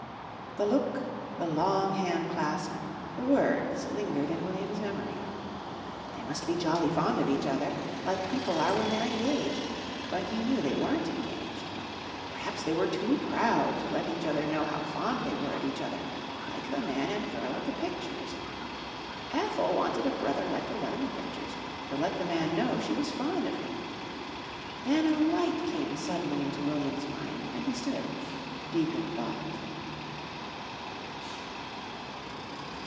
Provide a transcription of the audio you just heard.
The look, the long handclasp, the words lingered in William's memory. They must be jolly fond of each other, like people are when they're engaged, but he knew they weren't engaged. P'raps they were too proud to let each other know how fond they were of each other like the man and girl at the pictures. Ethel wanted a brother like the one in the pictures to let the man know she was fond of him. Then a light came suddenly into William's mind and he stood, deep in thought.